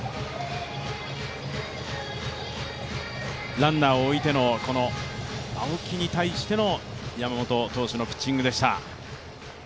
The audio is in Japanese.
ランナーを置いての青木に対しての山本投手のピッチングでした。